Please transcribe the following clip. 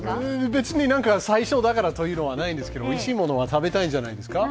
別に最初だからというのはないんですけどおいしいものは食べたいじゃないですか。